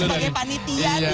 sebagai panitia nih